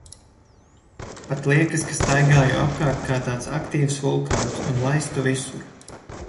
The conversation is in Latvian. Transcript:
Pat liekas, ka staigāju apkārt kā tāds aktīvs vulkāns un laistu visur.